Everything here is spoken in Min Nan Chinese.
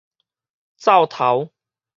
灶頭